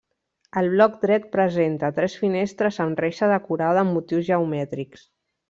El bloc dret presenta tres finestres amb reixa decorada amb motius geomètrics.